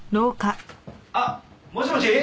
あっもしもし？